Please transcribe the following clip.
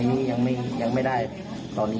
ตัวใหญ่นี้ตัวไซส์นี้